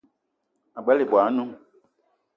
Ag͡bela ibwal anoun